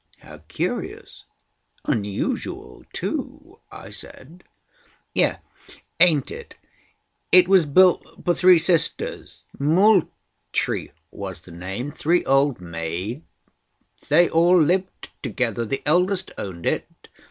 "How curious. Unusual, too!" I said. "Yes; ain't it? It was built for three sisters—Moultrie was the name—three old maids. They all lived together; the eldest owned it.